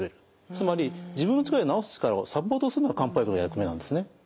つまり自分の力で治す力をサポートするのが漢方薬の役目なんですね。